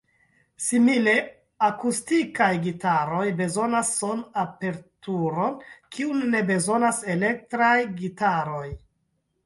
Simile, akustikaj gitaroj bezonas son-aperturon, kiun ne bezonas elektraj gitaroj.